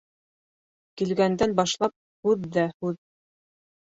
Килгәндән башлап һүҙ ҙә һүҙ.